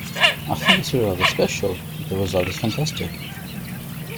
I think it's really rather special... the result is fantastic.